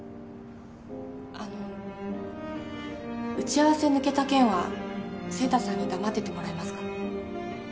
あの打ち合わせ抜けた件は晴太さんに黙っててもらえますか？